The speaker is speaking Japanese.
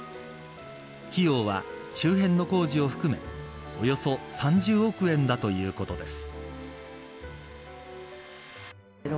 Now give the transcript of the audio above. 費用は周辺の工事を含めおよそ３０億円だということです。